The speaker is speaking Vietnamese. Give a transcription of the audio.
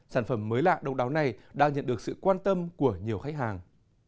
sản phẩm mới lạ độc đáo này đang nhận được sự quan tâm của nhiều khách hàng